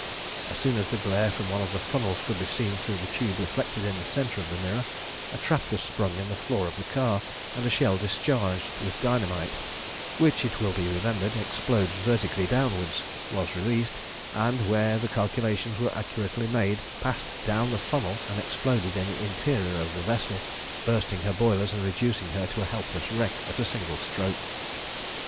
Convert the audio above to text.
As soon as the glare from one of the funnels could be seen through the tube reflected in the centre of the mirror, a trap was sprung in the floor of the car, and a shell charged with dynamite, which, it will be remembered, explodes vertically downwards, was released, and, where the calculations were accurately made, passed down the funnel and exploded in the interior of the vessel, bursting her boilers and reducing her to a helpless wreck at a single stroke.